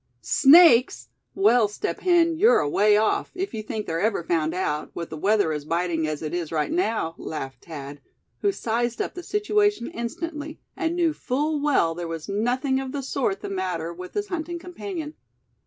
"Snakes! well, Step Hen, you're away off, if you think they're ever found out, with the weather as biting as it is right now!" laughed Thad; who sized up the situation instantly, and knew full well there was nothing of the sort the matter with his hunting companion.